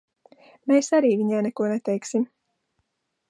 Mēs arī viņai neko neteiksim.